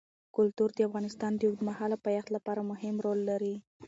کلتور د افغانستان د اوږدمهاله پایښت لپاره مهم رول لري.